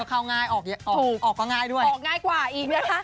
เข้าง่ายออกถูกออกก็ง่ายด้วยออกง่ายกว่าอีกนะคะ